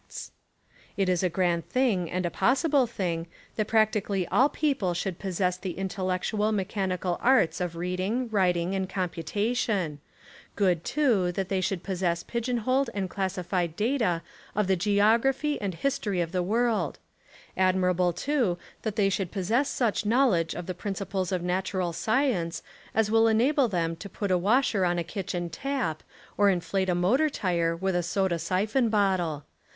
17 Essays and Literary Studies It is a grand thing and a possible thing, that practically all people should possess the intel lectual mechanical arts of reading, writing, and ,Gomputation : good too that they should possess pigeon holed and classified data of the geogra ^ phy and history of the world; admirable too that they should possess such knowledge of the principles of natural science as will enable them to put a washer on a kitchen tap, or inflate a motor tire with a soda syphon bottle.